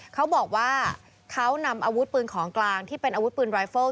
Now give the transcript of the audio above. เขาบอกว่าเขานำอาวุธปืนของกลางที่เป็นอาวุธปืนรายเฟิล